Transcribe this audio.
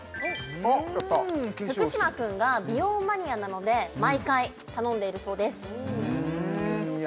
おっやった福嶌君が美容マニアなので毎回頼んでいるそうですいや